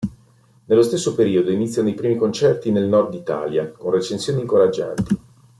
Nello stesso periodo iniziano i primi concerti nel nord Italia, con recensioni incoraggianti.